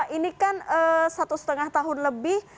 nah mak ini kan satu setengah tahun lebih